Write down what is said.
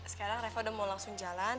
sekarang revo udah mau langsung jalan